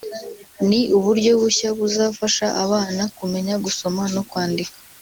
ni uburyo bushya buzafasha abana kumenya gusoma no kwandika